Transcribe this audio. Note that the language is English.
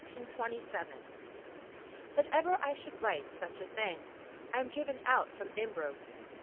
That ever I should write such a thing! I am driven out from Imbros!